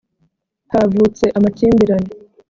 havutse amakimbirane .